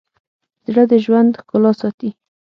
زړه د ژوند ښکلا ساتي.